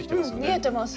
見えてます。